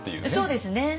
そうですね。